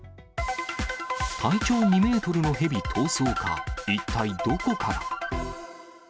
体長２メートルのヘビ逃走か、一体どこから？